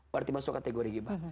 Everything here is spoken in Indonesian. berarti masuk kategori gibah